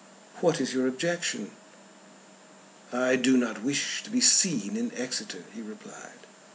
What is your objection?" "I do not wish to be seen in Exeter," he replied.